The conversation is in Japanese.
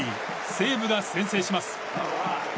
西武が先制します。